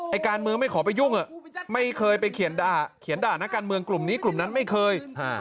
การเมืองไม่ขอไปยุ่งไม่เคยไปเขียนด่านักการเมืองกลุ่มนี้กลุ่มนั้นไม่เคย